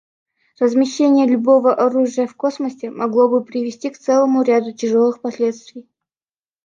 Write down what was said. Размещение любого оружия в космосе могло бы привести к целому ряду тяжелых последствий.